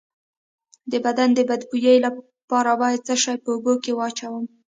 د بدن د بد بوی لپاره باید څه شی په اوبو کې واچوم؟